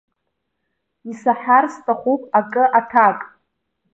Исаҳар сҭахын акы аҭак.